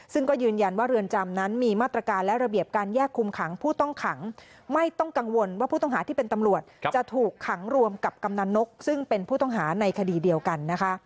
ซึ่งก็ยืนยันว่าเรือนจำนั้นมีมาตรการและระเบียบการแยกคุมขังผู้ต้องขังไม่ต้องกังวลว่าผู้ต้องหาที่เป็นตำรวจจะถูกขังรวมกับกำนันนกซึ่งเป็นผู้ต้องหาในคดีเดียวกันนะคะ